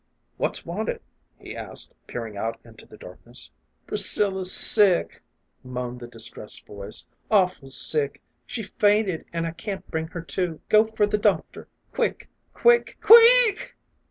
"What's wanted?" he asked, peering out into the dark ness. " Priscilla's sick," moaned the distressed voice; "awful sick. She's fainted, an' I can't bring her to. Go for the doctor quick ! quick ! quick